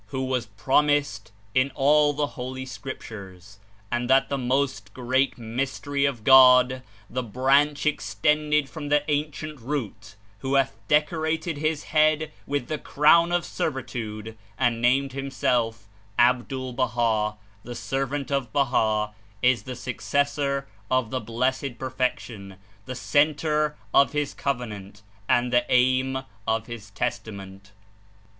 — who was promised In all the Holy Scriptures, and that the most great Mystery of God, the Branch extended from the Ancient Root, who hath decorated his head with the crown of Servitude and named himself Abdul Baha (the Servant of Baha), Is the Successor of the Blessed Perfection, the Center of his Covenant, and the Aim of his Testa ment.